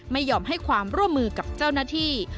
ไม่ยอมให้ความร่วมมือกับเจ้าหน้าที่